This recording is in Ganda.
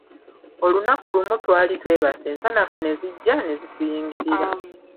Olunaku lumu twali twebase ensanafu ne zijja ne zituyingirira.